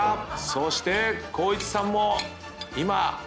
そして光一さんも今。